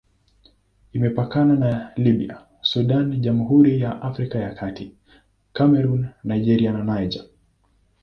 Imepakana na Libya, Sudan, Jamhuri ya Afrika ya Kati, Kamerun, Nigeria na Niger.